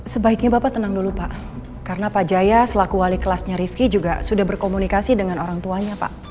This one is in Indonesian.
sebaiknya bapak tenang dulu pak karena pak jaya selaku wali kelasnya rifki juga sudah berkomunikasi dengan orang tuanya pak